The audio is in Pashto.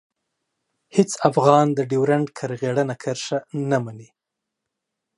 هېڅ افغان د ډیورنډ کرغېړنه کرښه نه مني.